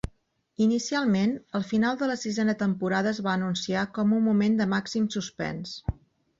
Inicialment, el final de la sisena temporada es va anunciar com un moment de màxim suspens.